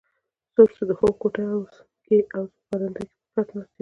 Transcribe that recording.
څوکی د خوب کوټه کې او زه په برنډه کې په کټ ناست یم